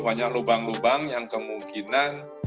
banyak lubang lubang yang kemungkinan